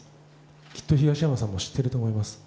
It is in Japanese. きっと東山さんも知っていると思います。